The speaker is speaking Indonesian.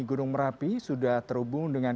gunung merapi sudah terhubung dengan